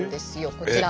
こちら。